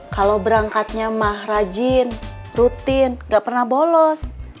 kalau berangkat nyamah rajin rutin enggak pernah bolos